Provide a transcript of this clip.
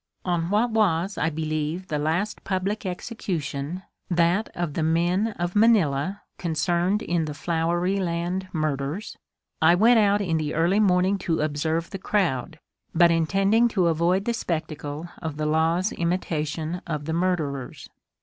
On what was I believe the last public execution — that of the men of Manila concerned in the ^^ Flowery Land" murders — I went out in the early morning to observe the crowd, but intending to avoid the spectacle of the law's imita tion of the murderers.